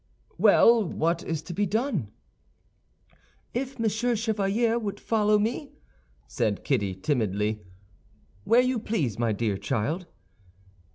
"Well, what is to be done?" "If Monsieur Chevalier would follow me?" said Kitty, timidly. "Where you please, my dear child."